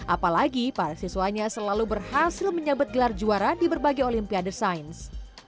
apalagi para siswanya selalu berhasil menyabet gelar juara di berbagai olimpiade sains